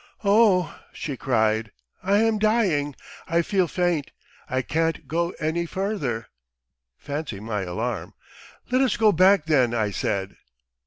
'Oh,' she cried, 'I am dying! I feel faint! I can't go any further' Fancy my alarm! 'Let us go back then,' I said.